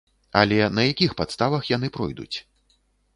Але на якіх падставах яны пройдуць?